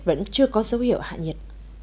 vẫn chưa có dấu hiệu hạ nhiễm